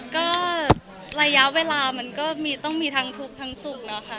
ก็ระยะเวลามันก็ต้องมีทั้งทุกข์ทั้งสุขนะคะ